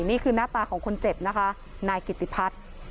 นี่คือหน้าตาของคนเจ็บนะคะนายกิติพัฒน์